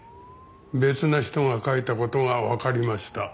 別の人が書いた事がわかりました。